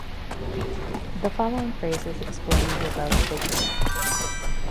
The following phrases explain the above figure.